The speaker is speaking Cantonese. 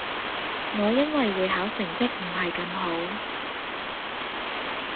我因為會考成績唔係咁好